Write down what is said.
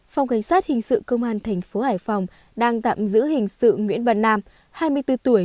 phòng cảnh sát hình sự công an thành phố hải phòng đang tạm giữ hình sự nguyễn văn nam hai mươi bốn tuổi